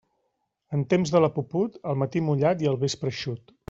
En temps de la puput, al matí mullat i al vespre eixut.